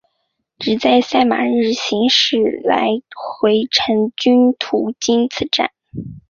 只在赛马日行驶来回程均途经此站。